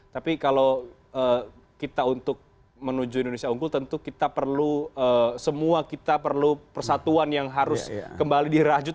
tapi kalau kita untuk menuju indonesia unggul tentu kita perlu semua kita perlu persatuan yang harus kembali dirajut